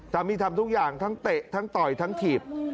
ทำทุกอย่างทั้งเตะทั้งต่อยทั้งถีบ